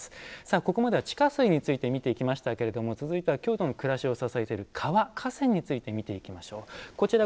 ここまでは地下水について見ていきましたけど続いては京都の暮らしを支えている川、河川について見ていきましょう。